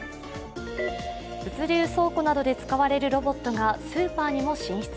物流倉庫などで使われるロボットがスーパーにも進出。